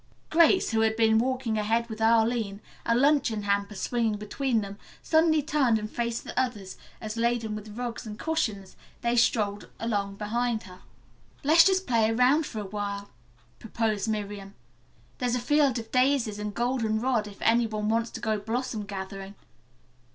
Grace, who had been walking ahead with Arline, a luncheon hamper swinging between them, suddenly turned and faced the others, as, laden with rugs and cushions, they strolled along behind her. "Let's just play around for awhile," proposed Miriam. "There's a field of daisies and golden rod if any one wants to go blossom gathering.